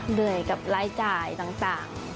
เหนื่อยกับรายจ่ายต่าง